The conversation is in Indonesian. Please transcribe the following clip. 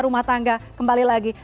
rumah tangga kembali lagi